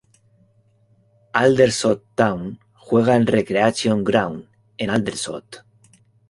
Aldershot Town juega en Recreation Ground, en Aldershot.